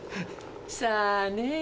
さあねぇ。